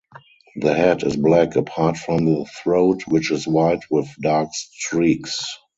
The head is black apart from the throat which is white with dark streaks.